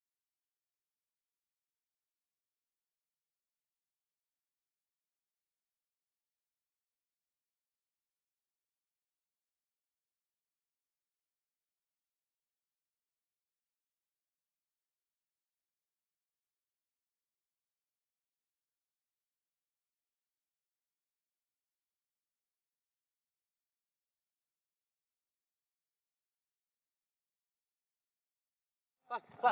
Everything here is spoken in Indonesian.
lu tunggu dulu lan